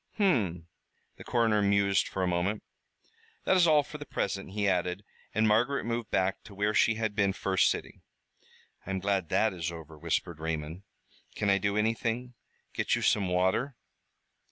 "Hum!" The coroner mused for a moment. "That is all for the present," he added, and Margaret moved back to where she had been first sitting. "I am glad that is over," whispered Raymond. "Can I do anything? Get you some water?"